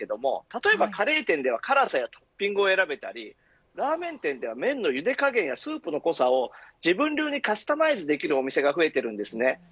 例えばカレー店では辛さやトッピングを選べたりラーメン店では麺の茹で加減やスープの濃さを自分流にカスタマイズできるお店が増えています。